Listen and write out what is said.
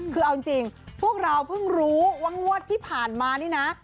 คือเอาจริงพวกเราเพิ่งรู้ว่างวดที่ผ่านมานี่นะ